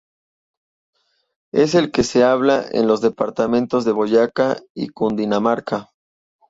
Es el que se habla en los departamentos de Boyacá y Cundinamarca.